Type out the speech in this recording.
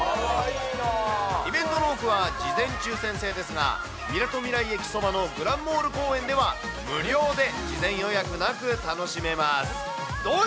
イベントの多くは事前抽せん制ですが、みなとみらい駅そばのグランモール公園では、無料で事前予約なく楽しめます。